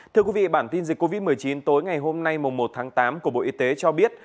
thưa quý vị bản tin dịch covid một mươi chín tối ngày hôm nay một tháng tám của bộ y tế cho biết